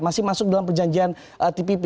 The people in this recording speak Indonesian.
masih masuk dalam perjanjian tpp